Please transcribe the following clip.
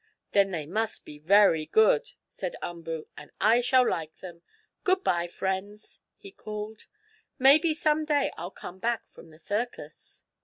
"Then they must be very good," said Umboo, "and I shall like them. Good bye, friends!" he called. "Maybe some day I'll come back from the circus."